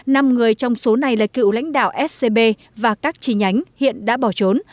năm người trong số này là cựu lãnh đạo scb và các chi nhánh hiện đã bỏ trốn